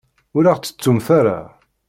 Ur aɣ-ttettumt ara.